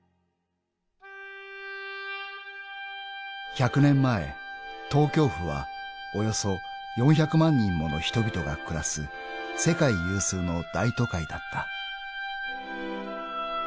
［１００年前東京府はおよそ４００万人もの人々が暮らす世界有数の大都会だった］